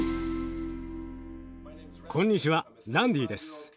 こんにちはランディです。